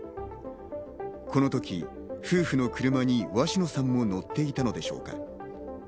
このとき夫婦の車に鷲野さんも乗っていたのでしょうか？